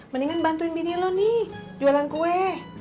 mendingan bantuin bini lo nih jualan kue